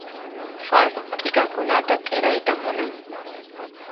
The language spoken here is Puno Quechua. Juan t'ikakunata t'irayta munan.